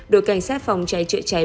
đội cảnh sát phòng cháy trợ cháy